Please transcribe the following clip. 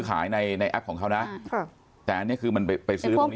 ขายในในแอปของเขานะแต่อันนี้คือมันไปไปซื้อตรงนี้